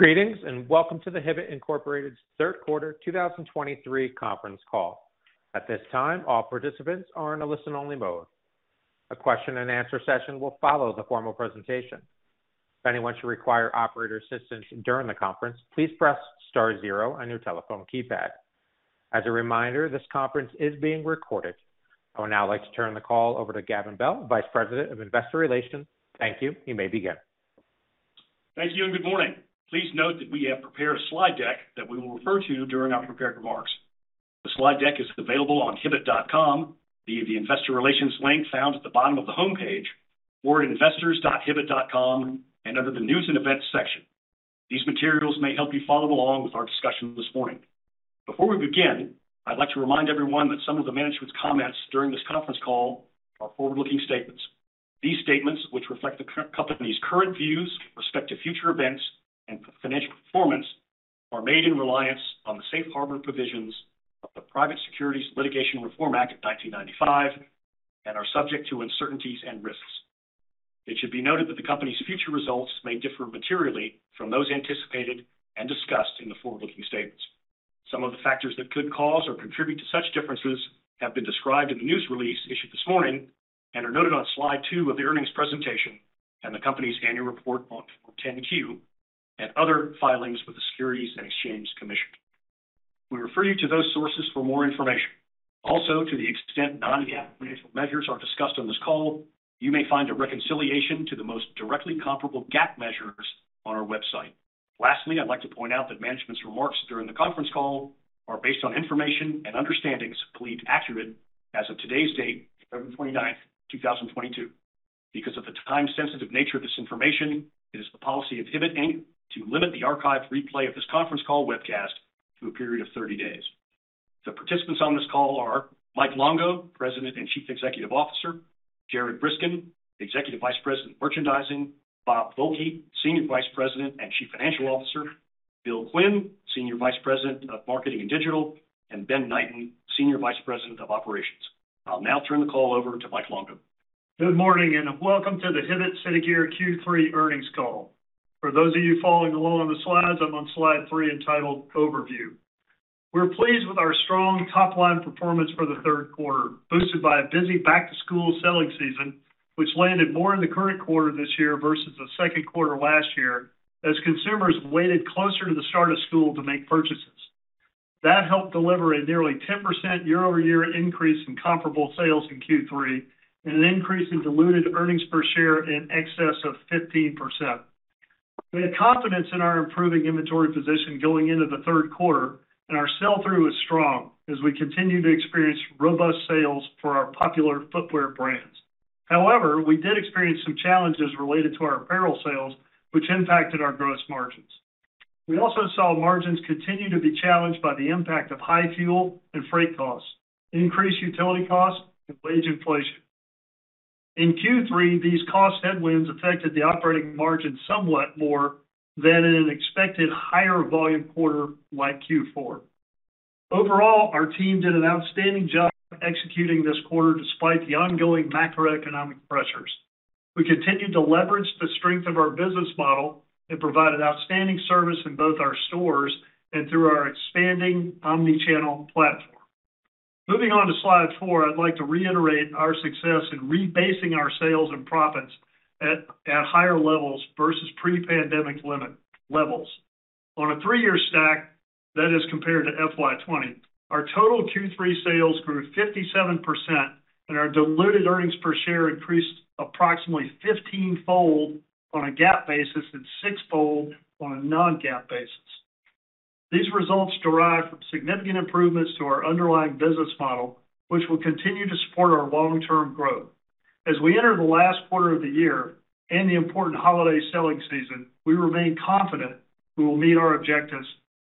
Greetings, and welcome to the Hibbett, Incorporated's Third Quarter 2023 Conference Call. At this time, all participants are in a listen-only mode. A question and answer session will follow the formal presentation. If anyone should require operator assistance during the conference, please press star zero on your telephone keypad. As a reminder, this conference is being recorded. I would now like to turn the call over to Gavin Bell, Vice President of Investor Relations. Thank you. You may begin. Thank you and good morning. Please note that we have prepared a slide deck that we will refer to during our prepared remarks. The slide deck is available on hibbett.com via the investor relations link found at the bottom of the homepage or at investors.hibbett.com and under the News and Events section. These materials may help you follow along with our discussion this morning. Before we begin, I'd like to remind everyone that some of the management's comments during this conference call are forward-looking statements. These statements, which reflect the company's current views with respect to future events and financial performance, are made in reliance on the safe harbor provisions of the Private Securities Litigation Reform Act of 1995 and are subject to uncertainties and risks. It should be noted that the company's future results may differ materially from those anticipated and discussed in the forward-looking statements. Some of the factors that could cause or contribute to such differences have been described in the news release issued this morning and are noted on slide two of the earnings presentation and the company's annual report on Form 10-Q and other filings with the Securities and Exchange Commission. We refer you to those sources for more information. Also, to the extent non-GAAP financial measures are discussed on this call, you may find a reconciliation to the most directly comparable GAAP measures on our website. Lastly, I'd like to point out that management's remarks during the conference call are based on information and understandings believed accurate as of today's date, November 29th, 2022. Because of the time-sensitive nature of this information, it is the policy of Hibbett, Inc. To limit the archived replay of this conference call webcast to a period of 30 days. The participants on this call are Mike Longo, President and Chief Executive Officer, Jared Briskin, Executive Vice President of Merchandising, Bob Volke, Senior Vice President and Chief Financial Officer, Bill Quinn, Senior Vice President of Marketing and Digital, and Ben Knighten, Senior Vice President of Operations. I'll now turn the call over to Mike Longo. Good morning. Welcome to the Hibbett/City Gear Q3 Earnings Call. For those of you following along on the slides, I'm on slide three entitled Overview. We're pleased with our strong top-line performance for the third quarter, boosted by a busy back-to-school selling season, which landed more in the current quarter this year versus the second quarter last year, as consumers waited closer to the start of school to make purchases. That helped deliver a nearly 10% year-over-year increase in comparable sales in Q3, and an increase in diluted earnings per share in excess of 15%. We had confidence in our improving inventory position going into the third quarter, and our sell-through is strong as we continue to experience robust sales for our popular footwear brands. We did experience some challenges related to our apparel sales, which impacted our gross margins. We also saw margins continue to be challenged by the impact of high fuel and freight costs, increased utility costs, and wage inflation. In Q3, these cost headwinds affected the operating margin somewhat more than in an expected higher volume quarter like Q4. Overall, our team did an outstanding job executing this quarter despite the ongoing macroeconomic pressures. We continued to leverage the strength of our business model and provide an outstanding service in both our stores and through our expanding omni-channel platform. Moving on to slide four, I'd like to reiterate our success in rebasing our sales and profits at higher levels versus pre-pandemic levels. On a three-year stack that is compared to FY20, our total Q3 sales grew 57% and our diluted earnings per share increased approximately 15-fold on a GAAP basis and 6-fold on a non-GAAP basis. These results derive from significant improvements to our underlying business model, which will continue to support our long-term growth. As we enter the last quarter of the year and the important holiday selling season, we remain confident we will meet our objectives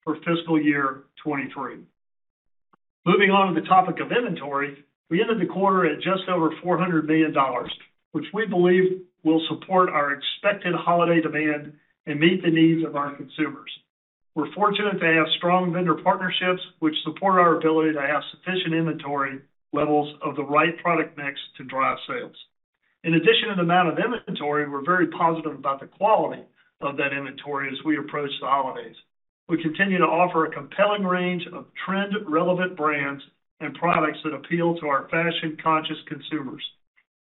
for fiscal year 2023. Moving on to the topic of inventory, we ended the quarter at just over $400 million, which we believe will support our expected holiday demand and meet the needs of our consumers. We're fortunate to have strong vendor partnerships which support our ability to have sufficient inventory levels of the right product mix to drive sales. In addition to the amount of inventory, we're very positive about the quality of that inventory as we approach the holidays. We continue to offer a compelling range of trend-relevant brands and products that appeal to our fashion-conscious consumers.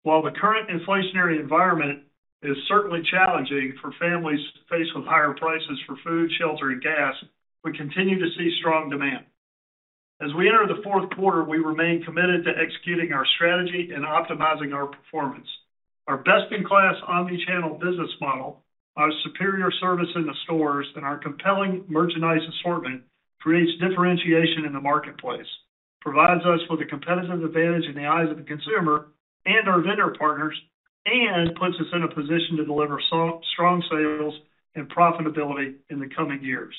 While the current inflationary environment is certainly challenging for families faced with higher prices for food, shelter, and gas, we continue to see strong demand. As we enter the fourth quarter, we remain committed to executing our strategy and optimizing our performance. Our best-in-class omni-channel business model, our superior service in the stores, and our compelling merchandise assortment creates differentiation in the marketplace, provides us with a competitive advantage in the eyes of the consumer and our vendor partners, and puts us in a position to deliver strong sales and profitability in the coming years.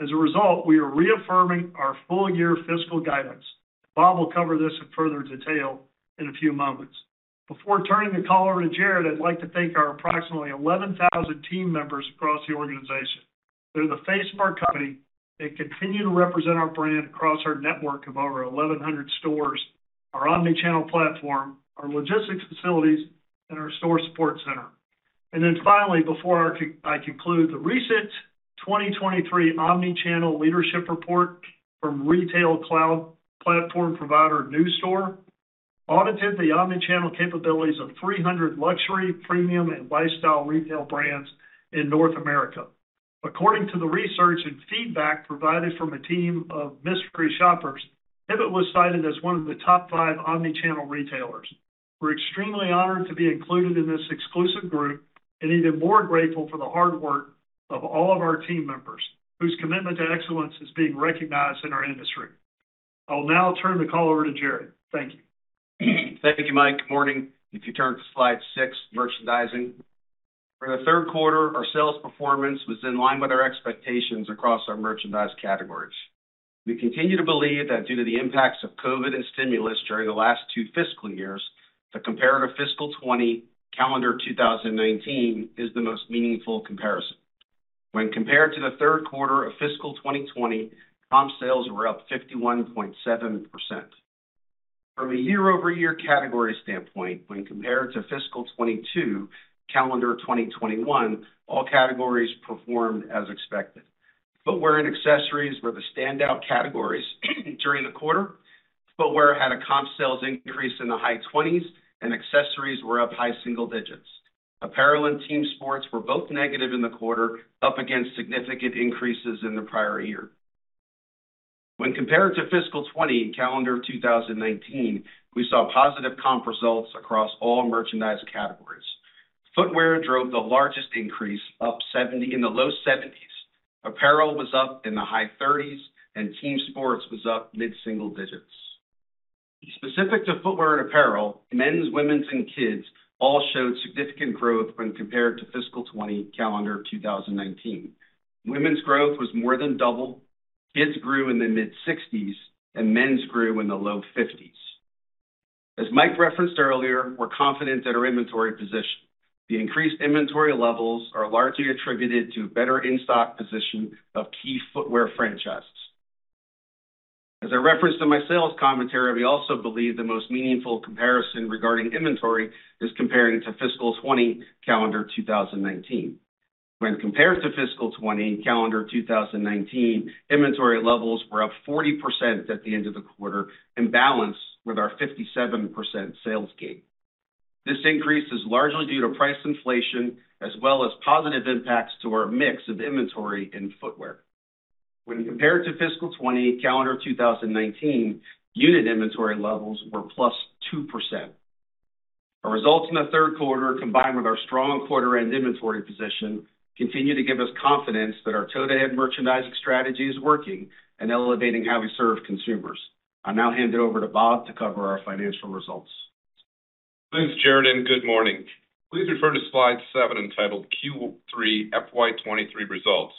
As a result, we are reaffirming our full-year fiscal guidance. Bob will cover this in further detail in a few moments. Before turning the call over to Jared, I'd like to thank our approximately 11,000 team members across the organization. They're the face of our company and continue to represent our brand across our network of over 1,100 stores. Our omni-channel platform, our logistics facilities, and our Store Support Center. Finally, before I conclude, the recent 2023 omni-channel leadership report from retail cloud platform provider, NewStore, audite the omni-channel capabilities of 300 luxury, premium, and lifestyle retail brands in North America. According to the research and feedback provided from a team of mystery shoppers, Hibbett was cited as one of the top five omni-channel retailers. We're extremely honored to be included in this exclusive group and even more grateful for the hard work of all of our team members, whose commitment to excellence is being recognized in our industry. I'll now turn the call over to Jared. Thank you. Thank you, Mike. Good morning. If you turn to slide six, merchandising. For the third quarter, our sales performance was in line with our expectations across our merchandise categories. We continue to believe that due to the impacts of COVID and stimulus during the last two fiscal years, the comparative fiscal 2020, calendar 2019, is the most meaningful comparison. When compared to the third quarter of fiscal 2020, comp sales were up 51.7%. From a year-over-year category standpoint, when compared to fiscal 2022, calendar 2021, all categories performed as expected. Footwear and accessories were the standout categories during the quarter. Footwear had a comp sales increase in the high 20s, and accessories were up high single digits. Apparel and team sports were both negative in the quarter, up against significant increases in the prior year. When compared to fiscal 2020, calendar 2019, we saw positive comp results across all merchandise categories. Footwear drove the largest increase, In the low 70s. Apparel was up in the high 30s, and team sports was up mid-single digits. Specific to footwear and apparel, men's, women's, and kids all showed significant growth when compared to fiscal 2020, calendar 2019. Women's growth was more than double. Kids grew in the mid-60s, and men's grew in the low 50s. As Mike referenced earlier, we're confident in our inventory position. The increased inventory levels are largely attributed to better in-stock position of key footwear franchises. As I referenced in my sales commentary, we also believe the most meaningful comparison regarding inventory is comparing to fiscal 2020, calendar 2019. When compared to fiscal 2020, calendar 2019, inventory levels were up 40% at the end of the quarter and balanced with our 57% sales gain. This increase is largely due to price inflation as well as positive impacts to our mix of inventory and footwear. When compared to fiscal 2020, calendar 2019, unit inventory levels were +2%. Our results in the third quarter, combined with our strong quarter end inventory position, continue to give us confidence that our toe-to-head merchandising strategy is working and elevating how we serve consumers. I'll now hand it over to Bob to cover our financial results. Thanks, Jared. Good morning. Please refer to slide seven, entitled Q3 FY 2023 Results.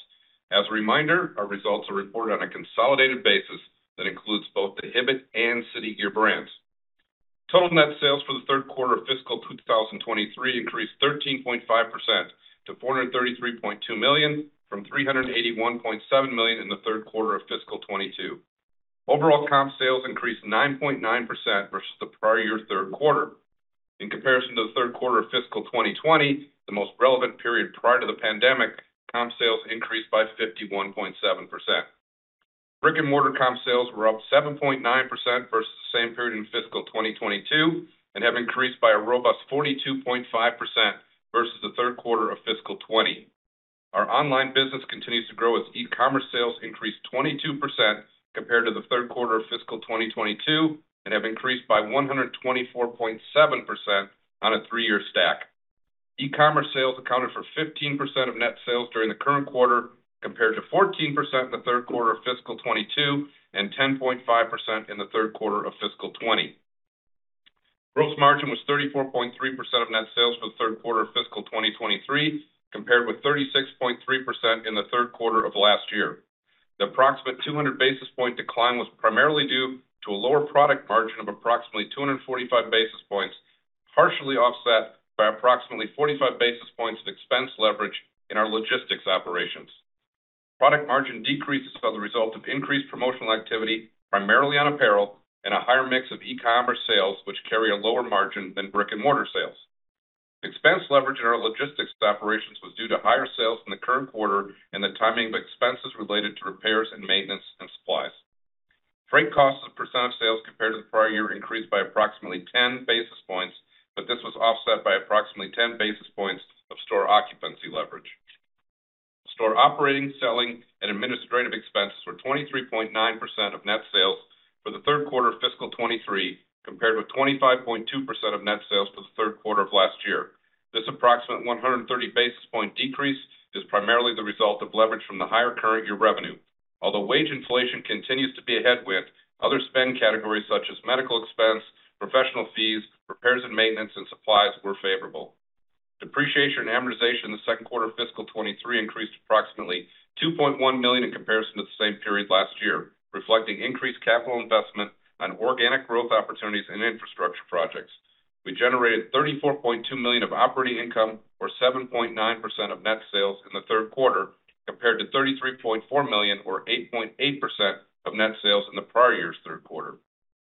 As a reminder, our results are reported on a consolidated basis that includes both the Hibbett and City Gear brands. Total net sales for the third quarter of fiscal 2023 increased 13.5% to $433.2 million, from $381.7 million in the third quarter of fiscal 2022. Overall comp sales increased 9.9% versus the prior year third quarter. In comparison to the third quarter of fiscal 2020, the most relevant period prior to the pandemic, comp sales increased by 51.7%. Brick-and-mortar comp sales were up 7.9% versus the same period in fiscal 2022 and have increased by a robust 42.5% versus the third quarter of fiscal 2020. Our online business continues to grow as e-commerce sales increased 22% compared to the third quarter of fiscal 2022, have increased by 124.7% on a three-year stack. E-commerce sales accounted for 15% of net sales during the current quarter, compared to 14% in the third quarter of fiscal 2022, 10.5% in the third quarter of fiscal 2020. Gross margin was 34.3% of net sales for the third quarter of fiscal 2023, compared with 36.3% in the third quarter of last year. The approximate 200 basis point decline was primarily due to a lower product margin of approximately 245 basis points, partially offset by approximately 45 basis points of expense leverage in our logistics operations. Product margin decreases are the result of increased promotional activity, primarily on apparel, and a higher mix of e-commerce sales, which carry a lower margin than brick-and-mortar sales. Expense leverage in our logistics operations was due to higher sales in the current quarter and the timing of expenses related to repairs and maintenance and supplies. Freight cost a percent of sales compared to the prior year increased by approximately 10 basis points, but this was offset by approximately 10 basis points of store occupancy leverage. Store operating, selling, and administrative expenses were 23.9% of net sales for the third quarter of fiscal 2023, compared with 25.2% of net sales for the third quarter of last year. This approximate 130 basis point decrease is primarily the result of leverage from the higher current year revenue. Although wage inflation continues to be a headwind, other spend categories such as medical expense, professional fees, repairs and maintenance, and supplies were favorable. Depreciation and amortization in the second quarter of fiscal 2023 increased approximately $2.1 million in comparison to the same period last year, reflecting increased capital investment on organic growth opportunities and infrastructure projects. We generated $34.2 million of operating income, or 7.9% of net sales in the third quarter, compared to $33.4 million, or 8.8% of net sales in the prior year's third quarter.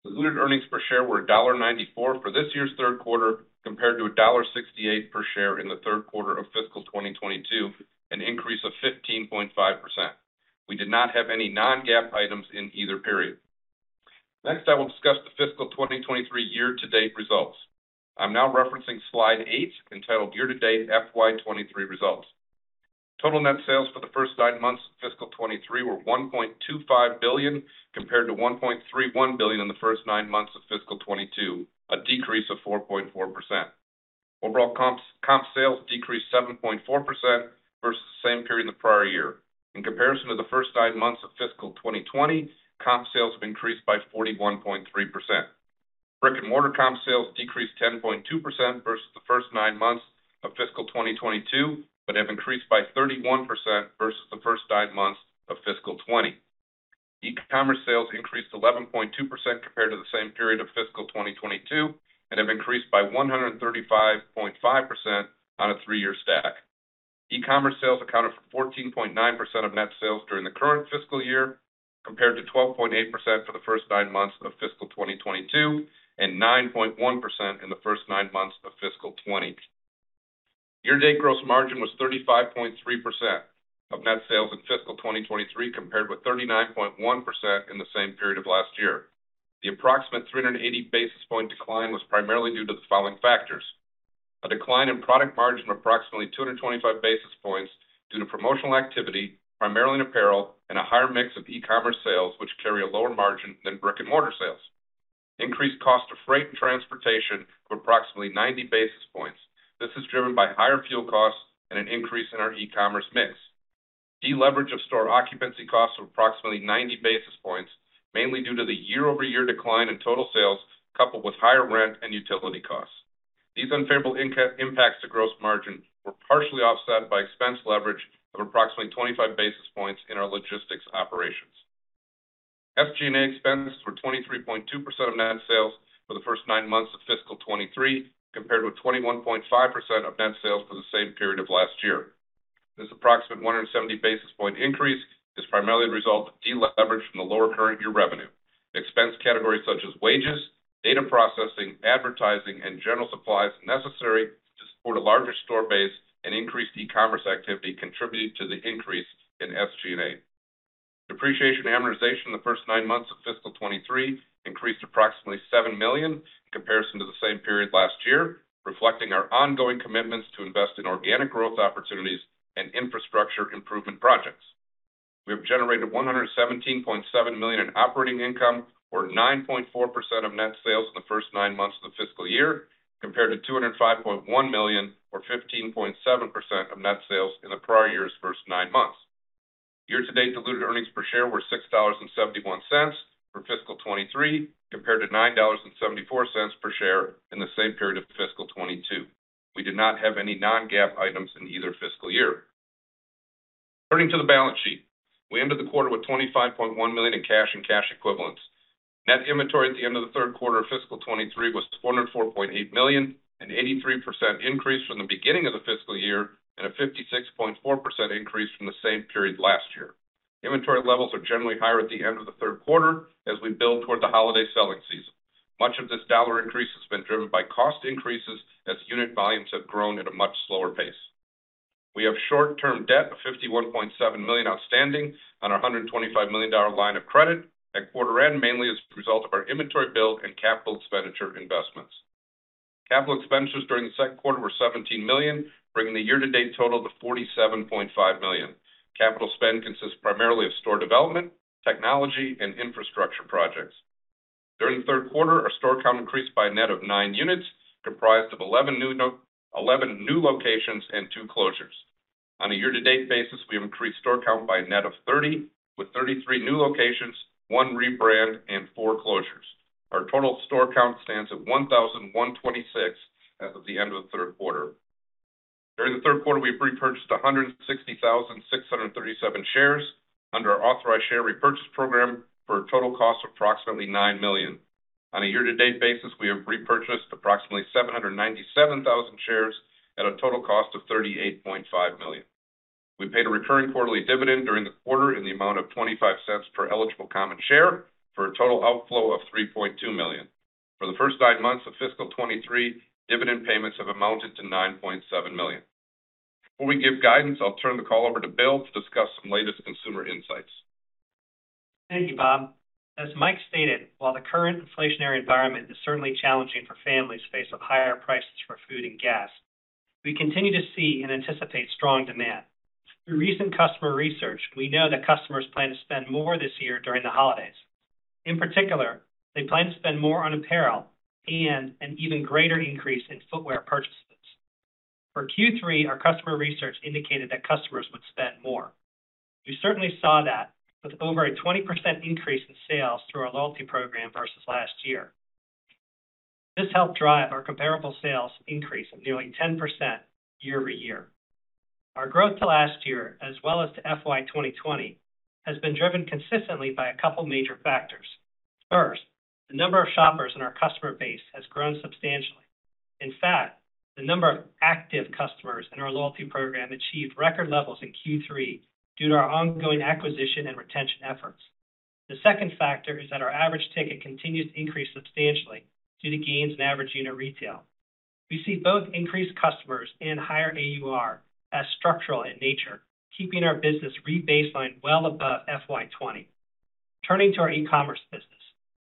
Diluted earnings per share were $1.94 for this year's third quarter compared to $1.68 per share in the third quarter of fiscal 2022, an increase of 15.5%. We did not have any non-GAAP items in either period. Next, I will discuss the fiscal 2023 year-to-date results. I'm now referencing slide 8 entitled Year-to-Date FY 2023 Results. Total net sales for the first nine months of fiscal 2023 were $1.25 billion, compared to $1.31 billion in the first nine months of fiscal 2022, a decrease of 4.4%. Overall comp sales decreased 7.4% versus the same period in the prior year. In comparison to the first nine months of fiscal 2020, comp sales have increased by 41.3%. Brick and mortar comp sales decreased 10.2% versus the first nine months of fiscal 2022, but have increased by 31% versus the first nine months of fiscal 2020. E-commerce sales increased 11.2% compared to the same period of fiscal 2022, and have increased by 135.5% on a three-year stack. E-commerce sales accounted for 14.9% of net sales during the current fiscal year, compared to 12.8% for the first nine months of fiscal 2022, and 9.1% in the first nine months of fiscal 2020. Year-to-date gross margin was 35.3% of net sales in fiscal 2023 compared with 39.1% in the same period of last year. The approximate 380 basis point decline was primarily due to the following factors: A decline in product margin of approximately 225 basis points due to promotional activity, primarily in apparel, and a higher mix of e-commerce sales which carry a lower margin than brick-and-mortar sales. Increased cost of freight and transportation of approximately 90 basis points. This is driven by higher fuel costs and an increase in our e-commerce mix. Deleveraged of store occupancy costs of approximately 90 basis points, mainly due to the year-over-year decline in total sales coupled with higher rent and utility costs. These unfavorable impacts to gross margin were partially offset by expense leverage of approximately 25 basis points in our logistics operations. SG&A expenses were 23.2% of net sales for the first nine months of fiscal 2023, compared with 21.5% of net sales for the same period of last year. This approximate 170 basis point increase is primarily a result of deleverage from the lower current year revenue. Expense categories such as wages, data processing, advertising, and general supplies necessary to support a larger store base and increased e-commerce activity contributed to the increase in SG&A. Depreciation and amortization in the first nine months of fiscal 2023 increased approximately $7 million in comparison to the same period last year, reflecting our ongoing commitments to invest in organic growth opportunities and infrastructure improvement projects. We have generated $117.7 million in operating income, or 9.4% of net sales in the first nine months of the fiscal year, compared to $205.1 million, or 15.7% of net sales in the prior year's first nine months. Year-to-date diluted earnings per share were $6.71 for fiscal 2023, compared to $9.74 per share in the same period of fiscal 2022. We did not have any non-GAAP items in either fiscal year. Turning to the balance sheet, we ended the quarter with $25.1 million in cash and cash equivalents. Net inventory at the end of the third quarter of fiscal 2023 was $404.8 million, an 83% increase from the beginning of the fiscal year, and a 56.4% increase from the same period last year. Inventory levels are generally higher at the end of the third quarter as we build toward the holiday selling season. Much of this dollar increase has been driven by cost increases as unit volumes have grown at a much slower pace. We have short term debt of $51.7 million outstanding on our $125 million line of credit at quarter end, mainly as a result of our inventory build and capital expenditure investments. Capital expenditures during the second quarter were $17 million, bringing the year to date total to $47.5 million. Capital spend consists primarily of store development, technology, and infrastructure projects. During the third quarter, our store count increased by a net of 9 units, comprised of 11 new locations and 2 closures. On a year-to-date basis, we have increased store count by a net of 30, with 33 new locations, 1 rebrand, and 4 closures. Our total store count stands at 1,026 as of the end of the third quarter. During the third quarter, we repurchased 160,637 shares under our authorized share repurchase program for a total cost of approximately $9 million. On a year-to-date basis, we have repurchased approximately 797,000 shares at a total cost of $38.5 million. We paid a recurring quarterly dividend during the quarter in the amount of $0.25 per eligible common share, for a total outflow of $3.2 million. For the first nine months of fiscal 2023, dividend payments have amounted to $9.7 million. Before we give guidance, I'll turn the call over to Bill to discuss some latest consumer insights. Thank you, Bob. As Mike stated, while the current inflationary environment is certainly challenging for families faced with higher prices for food and gas, we continue to see and anticipate strong demand. Through recent customer research, we know that customers plan to spend more this year during the holidays. In particular, they plan to spend more on apparel and an even greater increase in footwear purchases. For Q3, our customer research indicated that customers would spend more. We certainly saw that with over a 20% increase in sales through our loyalty program versus last year. This helped drive our comparable sales increase of nearly 10% year-over-year. Our growth to last year as well as to FY 2020 has been driven consistently by a couple major factors. First, the number of shoppers in our customer base has grown substantially. In fact, the number of active customers in our loyalty program achieved record levels in Q3 due to our ongoing acquisition and retention efforts. The second factor is that our average ticket continues to increase substantially due to gains in average unit retail. We see both increased customers and higher AUR as structural in nature, keeping our business rebaseline well above FY20. Turning to our e-commerce business.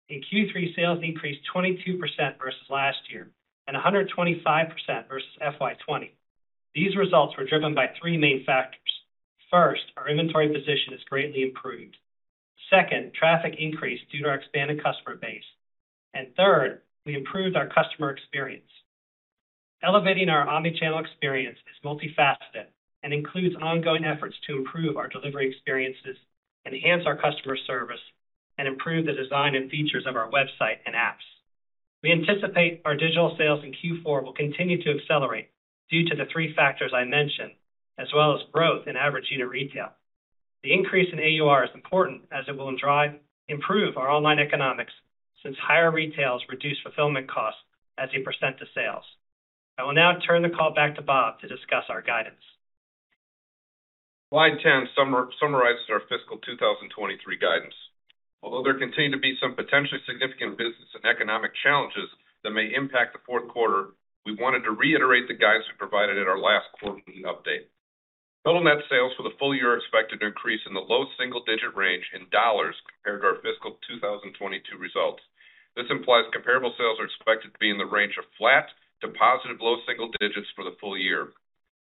In Q3, sales increased 22% versus last year and 125% versus FY20. These results were driven by three main factors. First, our inventory position is greatly improved. Second, traffic increased due to our expanded customer base. Third, we improved our customer experience. Elevating our omni-channel experience is multifaceted and includes ongoing efforts to improve the delivery experiences, enhance our customer service, and improve the design and features of our website and apps. We anticipate our digital sales in Q4 will continue to accelerate due to the three factors I mentioned, as well as growth in average unit retail. The increase in AUR is important as it will improve our online economics since higher retails reduce fulfillment costs as a percent to sales. I will now turn the call back to Bob to discuss our guidance. Slide 10 summarizes our fiscal 2023 guidance. Although there continue to be some potentially significant business and economic challenges that may impact the fourth quarter, we wanted to reiterate the guidance we provided at our last quarter meeting update. Total net sales for the full year are expected to increase in the low single-digit range in dollars compared to our fiscal 2022 results. This implies comparable sales are expected to be in the range of flat to positive low single digits for the full year.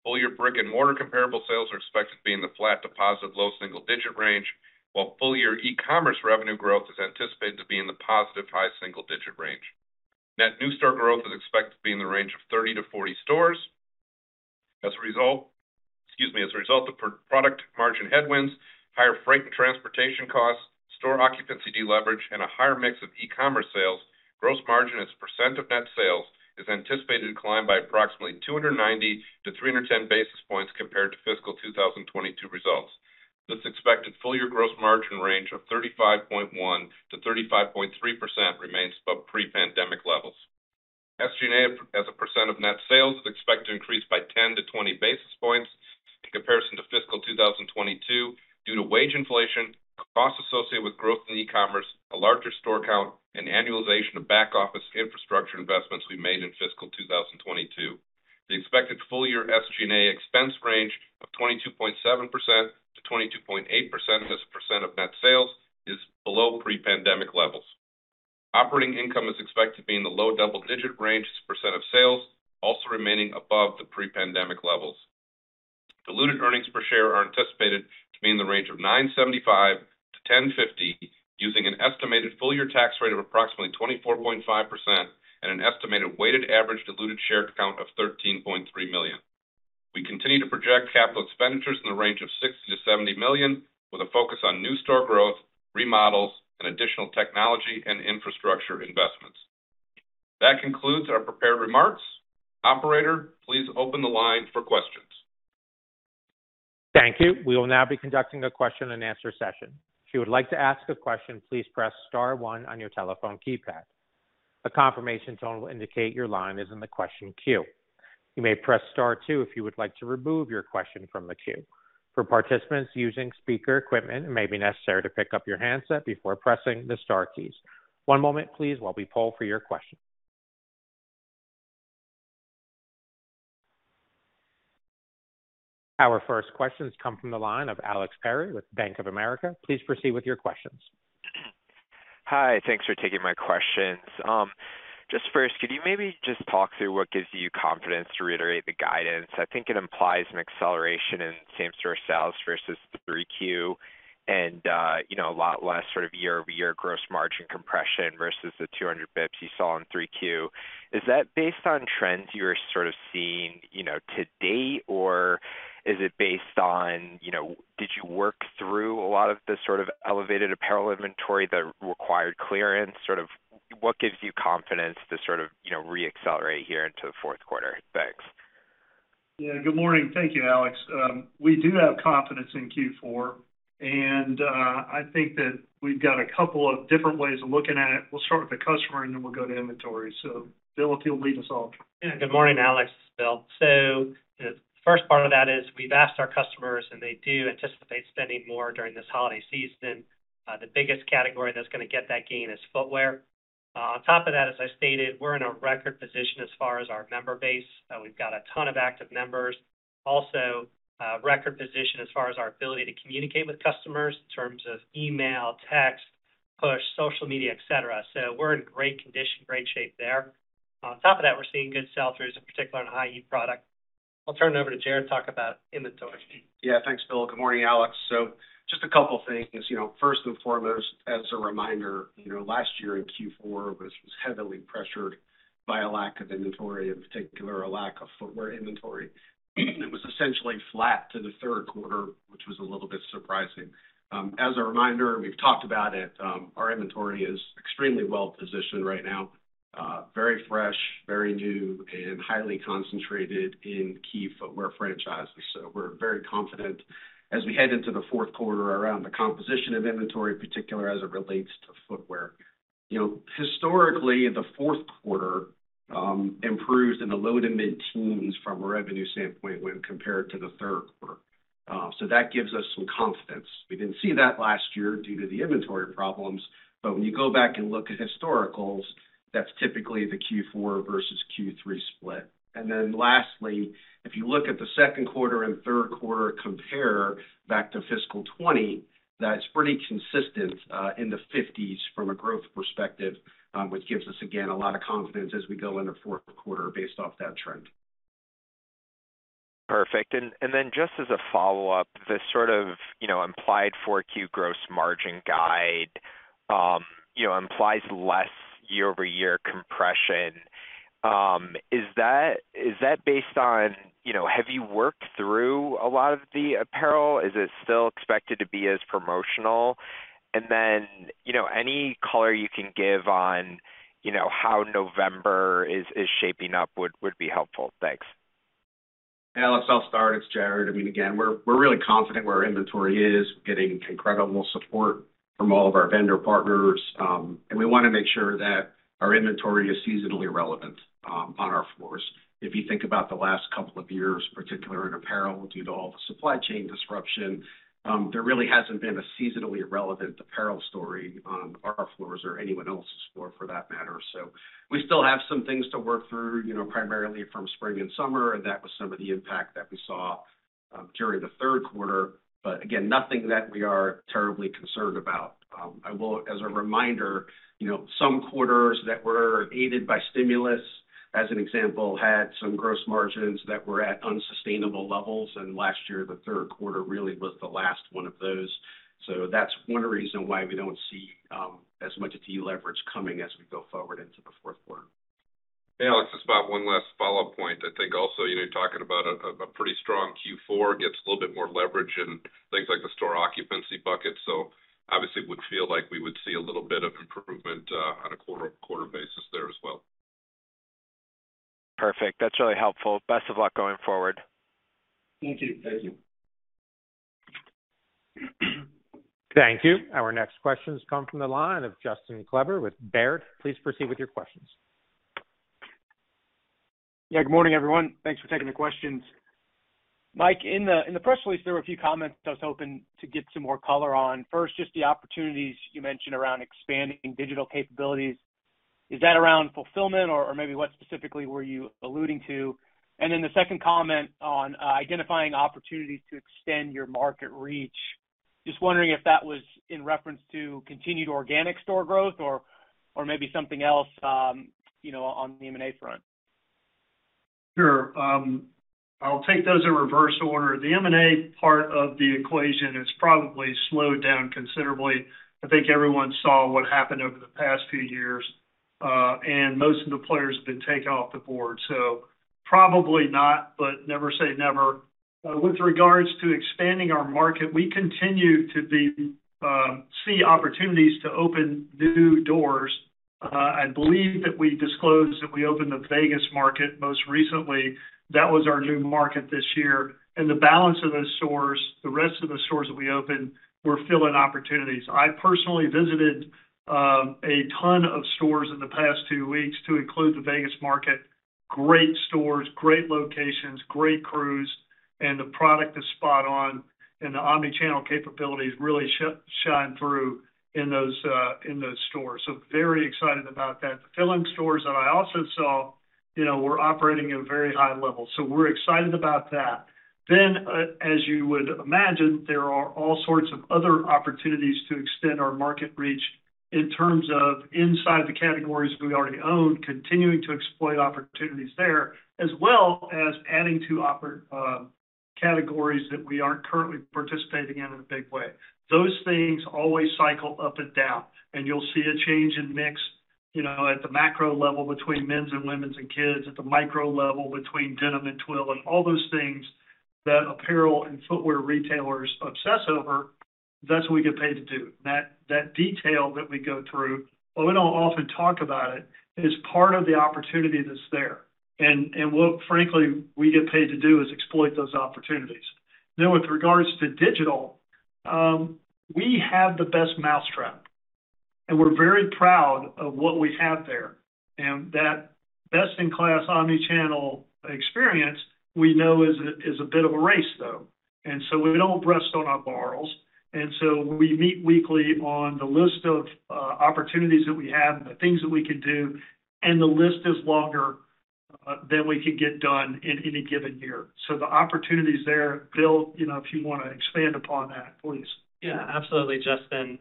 Full year brick-and-mortar comparable sales are expected to be in the flat to positive low single-digit range, while full-year e-commerce revenue growth is anticipated to be in the positive high single-digit range. Net new store growth is expected to be in the range of 30-40 stores. As a result... Excuse me, as a result of product margin headwinds, higher freight and transportation costs, store occupancy deleverage, and a higher mix of e-commerce sales, gross margin as a percent of net sales is anticipated to decline by approximately 290-310 basis points compared to fiscal 2022 results. This expected full-year gross margin range of 35.1%-35.3% remains above pre-pandemic levels. SG&A as a percent of net sales is expected to increase by 10-20 basis points in comparison to fiscal 2022 due to wage inflation, costs associated with growth in e-commerce, a larger store count, and annualization of back office infrastructure investments we made in fiscal 2022. The expected full-year SG&A expense range of 22.7%-22.8% as a percent of net sales is below pre-pandemic levels. Operating income is expected to be in the low double-digit range as a percent of sales, also remaining above the pre-pandemic levels. Diluted earnings per share are anticipated to be in the range of $9.75-$10.50, using an estimated full-year tax rate of approximately 24.5% and an estimated weighted average diluted share count of 13.3 million. We continue to project capital expenditures in the range of $60 million-$70 million, with a focus on new store growth, remodels, and additional technology and infrastructure investments. That concludes our prepared remarks. Operator, please open the line for questions. Thank you. We will now be conducting a question and answer session. If you would like to ask a question, please press star one on your telephone keypad. A confirmation tone will indicate your line is in the question queue. You may press star two if you would like to remove your question from the queue. For participants using speaker equipment, it may be necessary to pick up your handset before pressing the star keys. One moment please while we poll for your question. Our first questions come from the line of Alex Perry with Bank of America. Please proceed with your questions. Hi. Thanks for taking my questions. Just first, could you maybe just talk through what gives you confidence to reiterate the guidance? I think it implies an acceleration in same-store sales versus 3Q and, you know, a lot less sort of year-over-year gross margin compression versus the 200 basis points you saw in 3Q. Is that based on trends you're sort of seeing, you know, to date, or is it based on, you know, did you work through a lot of the sort of elevated apparel inventory that required clearance? Sort of what gives you confidence to sort of, you know, re-accelerate here into the fourth quarter? Thanks. Yeah. Good morning. Thank you, Alex. We do have confidence in Q4, and I think that we've got a couple of different ways of looking at it. We'll start with the customer, and then we'll go to inventory. Bill, if you'll lead us off. Yeah. Good morning, Alex. This is Bill. The first part of that is we've asked our customers, and they do anticipate spending more during this holiday season. The biggest category that's gonna get that gain is footwear. On top of that, as I stated, we're in a record position as far as our member base. We've got a ton of active members. Record position as far as our ability to communicate with customers in terms of email, text, push, social media, et cetera. We're in great condition, great shape there. On top of that, we're seeing good sell-throughs, in particular in high-heat product. I'll turn it over to Jared to talk about inventory. Yeah. Thanks, Bill. Good morning, Alex. Just a couple things. You know, first and foremost, as a reminder, you know, last year in Q4 was heavily pressured by a lack of inventory, in particular, a lack of footwear inventory. It was essentially flat to the third quarter, which was a little bit surprising. As a reminder, we've talked about it, our inventory is extremely well positioned right now. Very fresh, very new and highly concentrated in key footwear franchises. We're very confident as we head into the fourth quarter around the composition of inventory, in particular as it relates to footwear. You know, historically, the fourth quarter improves in the low to mid-teens from a revenue standpoint when compared to the third quarter. That gives us some confidence. We didn't see that last year due to the inventory problems, when you go back and look at historicals, that's typically the Q4 versus Q3 split. Lastly, if you look at the second quarter and third quarter, compare back to fiscal 2020, that's pretty consistent in the fifties from a growth perspective, which gives us, again, a lot of confidence as we go into fourth quarter based off that trend. Perfect. Just as a follow-up, the sort of, you know, implied 4Q gross margin guide, you know, implies less year-over-year compression. Is that based on, you know, have you worked through a lot of the apparel? Is it still expected to be as promotional? You know, any color you can give on, you know, how November is shaping up would be helpful. Thanks. Yeah. Let's all start. It's Jared. I mean, again, we're really confident where our inventory is. We're getting incredible support from all of our vendor partners. We wanna make sure that our inventory is seasonally relevant on our floors. If you think about the last couple of years, particularly in apparel, due to all the supply chain disruption, there really hasn't been a seasonally relevant apparel story on our floors or anyone else's floor for that matter. We still have some things to work through, you know, primarily from spring and summer, and that was some of the impact that we saw during the third quarter. Again, nothing that we are terribly concerned about. As a reminder, you know, some quarters that were aided by stimulus, as an example, had some gross margins that were at unsustainable levels, and last year, the third quarter really was the last one of those. That's one reason why we don't see as much de-leverage coming as we go forward into the fourth quarter. Hey, Alex, it's Bob. One last follow-up point. I think also, you know, talking about a pretty strong Q4 gets a little bit more leverage in things like the store occupancy bucket. Obviously it would feel like we would see a little bit of improvement on a quarter-over-quarter basis there as well. Perfect. That's really helpful. Best of luck going forward. Thank you. Thank you. Thank you. Our next question comes from the line of Justin Kleber with Baird. Please proceed with your questions. Good morning, everyone. Thanks for taking the questions. Mike, in the press release, there were a few comments I was hoping to get some more color on. First, just the opportunities you mentioned around expanding digital capabilities. Is that around fulfillment or maybe what specifically were you alluding to? Then the second comment on identifying opportunities to extend your market reach. Just wondering if that was in reference to continued organic store growth or maybe something else, you know, on the M&A front. Sure. I'll take those in reverse order. The M&A part of the equation has probably slowed down considerably. I think everyone saw what happened over the past few years, and most of the players have been taken off the board. Probably not, but never say never. With regards to expanding our market, we continue to be, see opportunities to open new doors. I believe that we disclosed that we opened the Vegas market most recently. That was our new market this year. The balance of those stores, the rest of the stores that we opened were fill-in opportunities. I personally visited, a ton of stores in the past two weeks to include the Vegas market. Great stores, great locations, great crews, and the omni-channel capabilities really shine through in those, in those stores. Very excited about that. The fill-in stores that I also saw, you know, were operating at a very high level, so we're excited about that. As you would imagine, there are all sorts of other opportunities to extend our market reach in terms of inside the categories we already own, continuing to exploit opportunities there, as well as adding to categories that we aren't currently participating in a big way. Those things always cycle up and down, and you'll see a change in mix, you know, at the macro level between men's and women's and kids, at the micro level between denim and twill and all those things that apparel and footwear retailers obsess over. That's what we get paid to do. That detail that we go through, but we don't often talk about it, is part of the opportunity that's there. What frankly, we get paid to do is exploit those opportunities. With regards to digital, we have the best mousetrap, and we're very proud of what we have there. That best-in-class omni-channel experience we know is a bit of a race, though. We don't rest on our laurels. We meet weekly on the list of opportunities that we have and the things that we could do, and the list is longer than we could get done in any given year. The opportunity is there. Bill, you know, if you wanna expand upon that, please. Yeah, absolutely, Justin.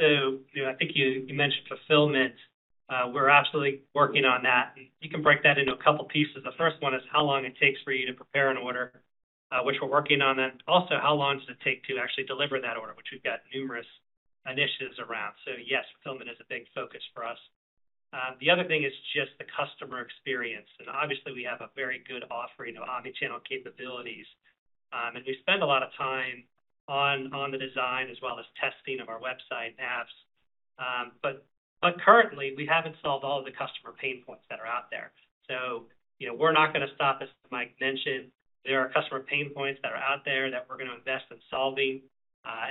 You know, I think you mentioned fulfillment. We're absolutely working on that. You can break that into two pieces. The first one is how long it takes for you to prepare an order, which we're working on that. Also, how long does it take to actually deliver that order, which we've got numerous initiatives around. Yes, fulfillment is a big focus for us. The other thing is Customer experience. Obviously, we have a very good offering of omni-channel capabilities. We spend a lot of time on the design as well as testing of our website and apps. But currently, we haven't solved all of the customer pain points that are out there. You know, we're not gonna stop, as Mike mentioned, there are customer pain points that are out there that we're gonna invest in solving.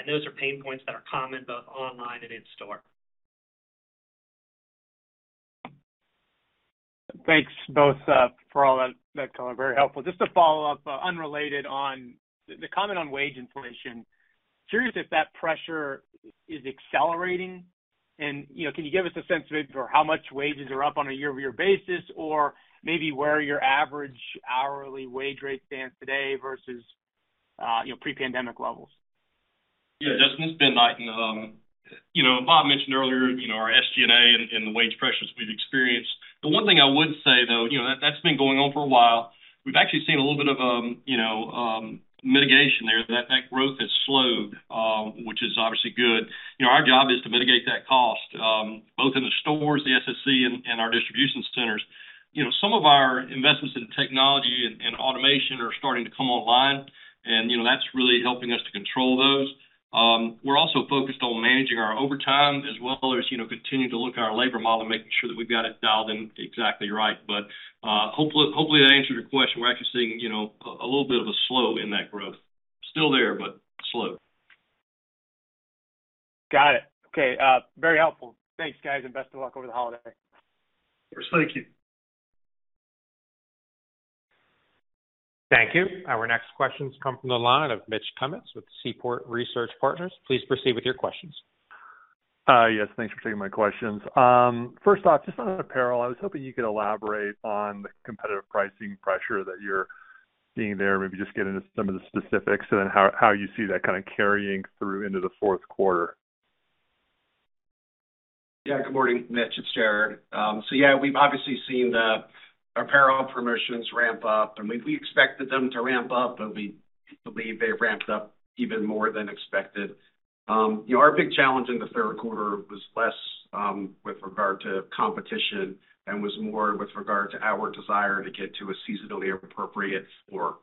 Those are pain points that are common both online and in store. Thanks both for all that color. Very helpful. Just to follow up, unrelated on the comment on wage inflation. Curious if that pressure is accelerating, and, you know, can you give us a sense of it for how much wages are up on a year-over-year basis or maybe where your average hourly wage rate stands today versus, you know, pre-pandemic levels? Yeah, Justin, this is Ben Knighten. You know, Bob mentioned earlier, you know, our SG&A and the wage pressures we've experienced. The one thing I would say, though, you know, that's been going on for a while. We've actually seen a little bit of, you know, mitigation there. That growth has slowed, which is obviously good. You know, our job is to mitigate that cost, both in the stores, the SSC and our distribution centers. You know, some of our investments in technology and automation are starting to come online and, you know, that's really helping us to control those. We're also focused on managing our overtime as well as, you know, continuing to look at our labor model and making sure that we've got it dialed in exactly right. Hopefully that answered your question? We're actually seeing, you know, a little bit of a slow in that growth. Still there, but slow. Got it. Okay, very helpful. Thanks, guys, and best of luck over the holiday. Thank you. Thank you. Our next question comes from the line of Mitch Kummetz with Seaport Research Partners. Please proceed with your questions. Yes, thanks for taking my questions. First off, just on apparel, I was hoping you could elaborate on the competitive pricing pressure that you're seeing there. Maybe just get into some of the specifics and then how you see that kinda carrying through into the fourth quarter. Yeah. Good morning, Mitch, it's Jared. Yeah, we've obviously seen the apparel promotions ramp up, and we expected them to ramp up, but we believe they ramped up even more than expected. You know, our big challenge in the third quarter was less, with regard to competition and was more with regard to our desire to get to a seasonally appropriate score.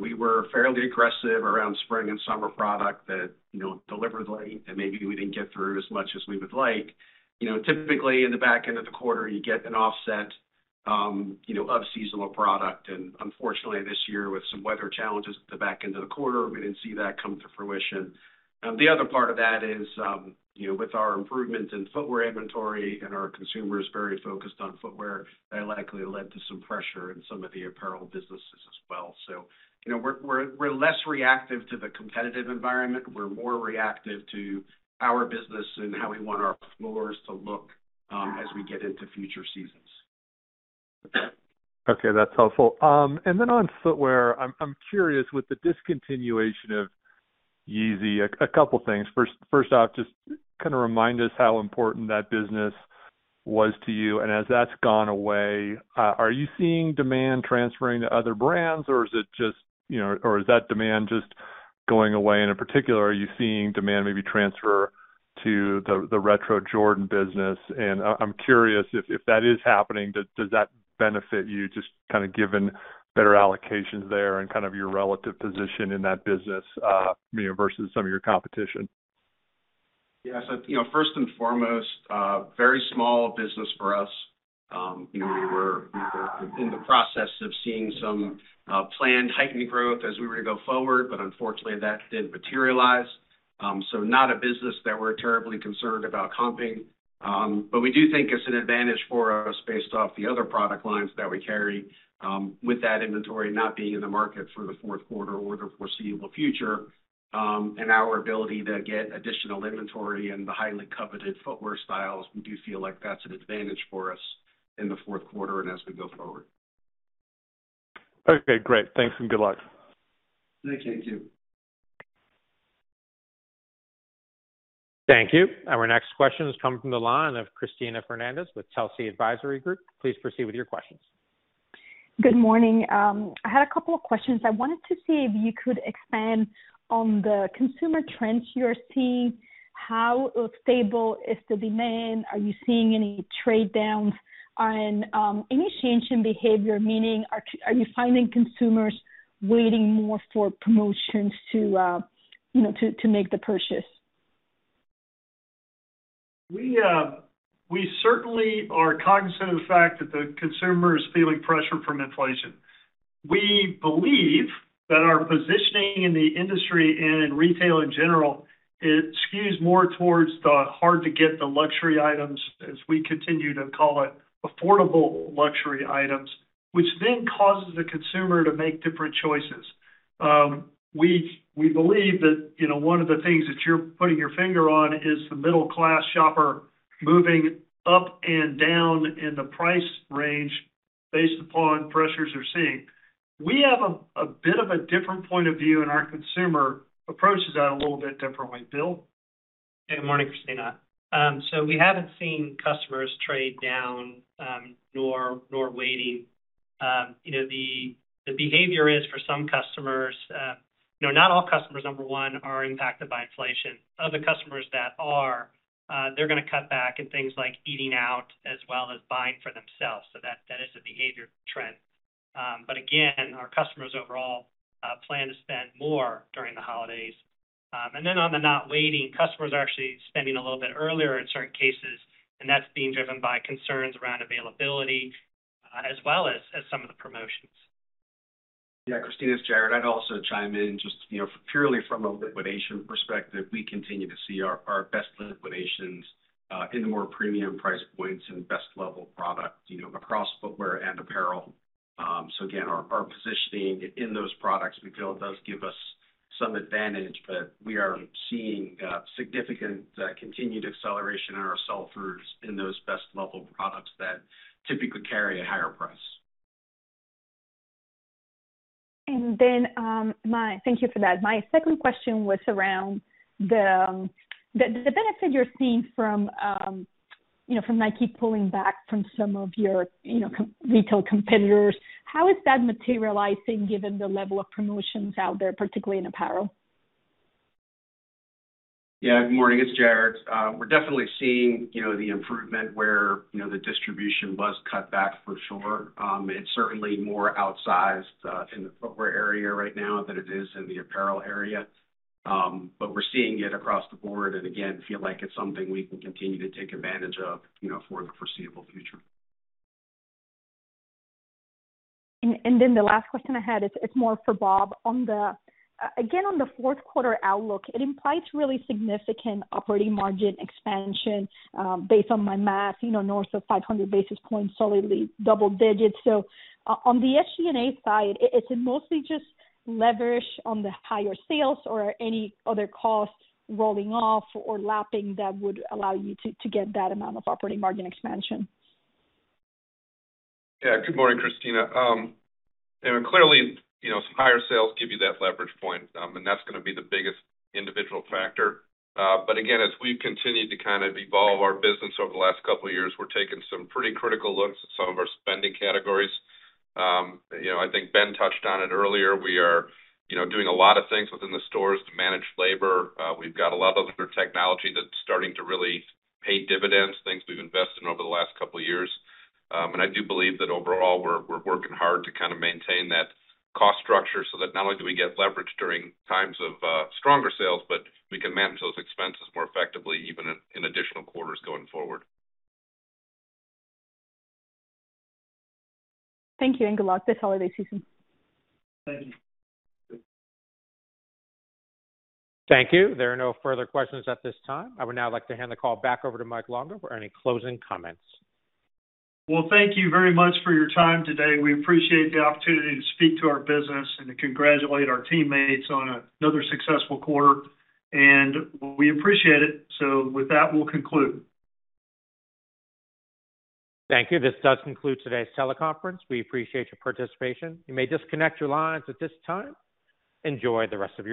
We were fairly aggressive around spring and summer product that, you know, delivered late and maybe we didn't get through as much as we would like. You know, typically in the back end of the quarter, you get an offset, you know, of seasonal product. Unfortunately, this year, with some weather challenges at the back end of the quarter, we didn't see that come to fruition. The other part of that is, you know, with our improvement in footwear inventory and our consumers very focused on footwear, that likely led to some pressure in some of the apparel businesses as well. You know, we're less reactive to the competitive environment. We're more reactive to our business and how we want our floors to look, as we get into future seasons. Okay, that's helpful. And then on footwear, I'm curious, with the discontinuation of Yeezy, a couple things. First off, just kinda remind us how important that business was to you, and as that's gone away, are you seeing demand transferring to other brands, or is it just, you know... or is that demand just going away? And in particular, are you seeing demand maybe transfer to the Retro Jordan business? And I'm curious if that is happening, does that benefit you just kinda given better allocations there and kind of your relative position in that business, you know, versus some of your competition? Yeah. you know, first and foremost, a very small business for us. you know, we were in the process of seeing some planned heightened growth as we were to go forward, but unfortunately, that didn't materialize. Not a business that we're terribly concerned about comping. We do think it's an advantage for us based off the other product lines that we carry, with that inventory not being in the market for the fourth quarter or the foreseeable future, and our ability to get additional inventory and the highly coveted footwear styles. We do feel like that's an advantage for us in the fourth quarter and as we go forward. Okay, great. Thanks and good luck. Thank you. Thank you. Our next question comes from the line of Cristina Fernández with Telsey Advisory Group. Please proceed with your questions. Good morning. I had a couple of questions. I wanted to see if you could expand on the consumer trends you're seeing. How stable is the demand? Are you seeing any trade downs? Any change in behavior, meaning are you finding consumers waiting more for promotions to make the purchase? We certainly are cognizant of the fact that the consumer is feeling pressure from inflation. We believe that our positioning in the industry and in retail in general, it skews more towards the hard to get the luxury items, as we continue to call it, affordable luxury items, which then causes the consumer to make different choices. We believe that, you know, one of the things that you're putting your finger on is the middle class shopper moving up and down in the price range based upon pressures they're seeing. We have a bit of a different point of view, and our consumer approaches that a little bit differently. Bill? Good morning, Cristina. We haven't seen customers trade down, nor waiting. You know, the behavior is for some customers. You know, not all customers, number one, are impacted by inflation. Other customers that are, they're gonna cut back in things like eating out as well as buying for themselves. That is a behavior trend. Again, our customers overall plan to spend more during the holidays. On the not waiting, customers are actually spending a little bit earlier in certain cases, and that's being driven by concerns around availability as well as some of the promotions. Yeah. Cristina, it's Jared. I'd also chime in just, you know, purely from a liquidation perspective, we continue to see our best liquidations, in the more premium price points and best level product, you know, across footwear and apparel. Again, our positioning in those products we feel does give us some advantage. We are seeing significant continued acceleration in our sell-throughs in those best level products that typically carry a higher price. Thank you for that. My second question was around the benefit you're seeing from, you know, from Nike pulling back from some of your, you know, retail competitors. How is that materializing given the level of promotions out there, particularly in apparel? Yeah. Good morning, it's Jared. We're definitely seeing, you know, the improvement where, you know, the distribution was cut back for sure. It's certainly more outsized, in the footwear area right now than it is in the apparel area. We're seeing it across the board and again, feel like it's something we can continue to take advantage of, you know, for the foreseeable future. Then the last question I had is more for Bob. Again, on the fourth quarter outlook, it implies really significant operating margin expansion, based on my math, you know, north of 500 basis points, solidly double digits. On the SG&A side, is it mostly just leverage on the higher sales or any other costs rolling off or lapping that would allow you to get that amount of operating margin expansion? Yeah. Good morning, Cristina. you know, clearly, you know, some higher sales give you that leverage point, and that's gonna be the biggest individual factor. Again, as we've continued to kind of evolve our business over the last couple of years, we're taking some pretty critical looks at some of our spending categories. you know, I think Ben touched on it earlier. We are, you know, doing a lot of things within the stores to manage labor. We've got a lot of other technology that's starting to really pay dividends, things we've invested in over the last couple of years. I do believe that overall, we're working hard to kind of maintain that cost structure so that not only do we get leverage during times of stronger sales, but we can manage those expenses more effectively, even in additional quarters going forward. Thank you, and good luck this holiday season. Thank you. Thank you. There are no further questions at this time. I would now like to hand the call back over to Mike Longo for any closing comments. Well, thank you very much for your time today. We appreciate the opportunity to speak to our business and to congratulate our teammates on another successful quarter, and we appreciate it. With that, we'll conclude. Thank you. This does conclude today's teleconference. We appreciate your participation. You may disconnect your lines at this time. Enjoy the rest of your week.